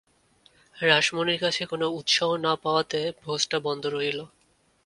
রাসমণির কাছে কোনো উৎসাহ না পাওয়াতে ভোজটা বন্ধ রহিল।